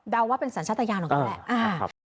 เดาว่าเป็นสัญชาตญาณของกันแหละ